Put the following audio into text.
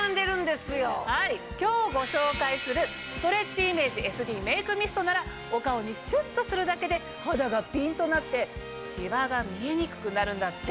今日ご紹介するストレッチイメージＳＤメイクミストならお顔にシュッとするだけで肌がピンとなってシワが見えにくくなるんだって。